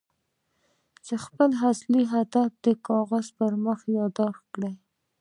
چې خپل اصلي هدف د کاغذ پر مخ ياداښت کړئ.